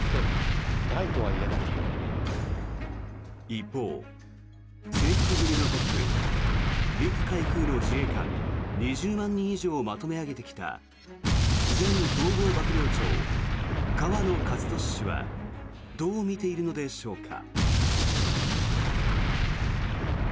一方、制服組のトップ陸海空の自衛官２０万人以上をまとめ上げてきた前統合幕僚長、河野克俊氏はどう見ているのでしょうか。